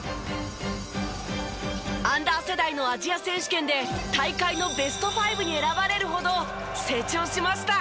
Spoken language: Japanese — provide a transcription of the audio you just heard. アンダー世代のアジア選手権で大会のベスト５に選ばれるほど成長しました。